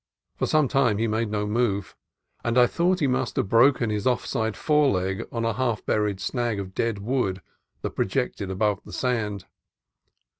For some time he made no move, and I thought he must have broken his off side foreleg on a half buried snag of dead wood that projected above the sand.